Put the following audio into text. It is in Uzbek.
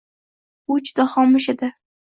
U juda xomush edi